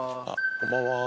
こんばんは。